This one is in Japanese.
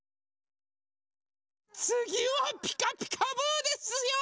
つぎは「ピカピカブ！」ですよ。